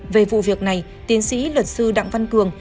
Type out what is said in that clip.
về vụ việc này tiến sĩ luật sư đặng văn cường